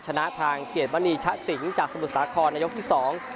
ชนะทางเกียรต์มณีฆสิงจากสะบุสาครในยุคที่สอง